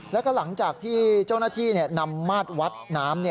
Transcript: แล้วก็หลังจากที่เจ้าหน้าที่นำมาดวัดน้ำ